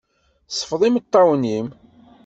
Sfeḍ imeṭṭawen-im.